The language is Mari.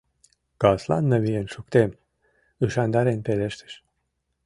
— Каслан намиен шуктем! — ӱшандарен пелештыш.